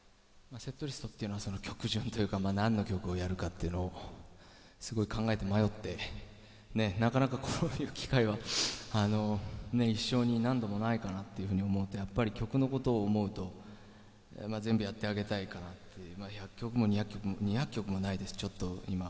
セットリストっていうのは曲順というか、何の曲をやるかというのをすごい考えて迷って、なかなかこういう機会は一生に何度もないと思っているので、やっぱり曲のことを思うと全部やってあげたいかなって１００曲も２００曲も２００曲もないです。